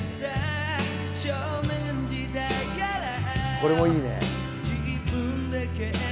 これもいいね。